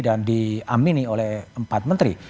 dan diamini oleh empat menteri